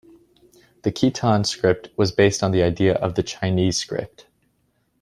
The Khitan script was based on the idea of the Chinese script.